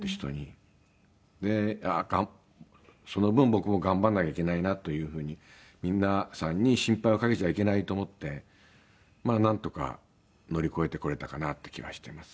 でああアカンその分僕も頑張らなきゃいけないなという風に皆さんに心配をかけちゃいけないと思ってなんとか乗り越えてこれたかなって気はしてます。